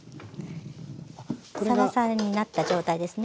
サラサラになった状態ですね。